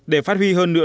để phát huy hơn nữa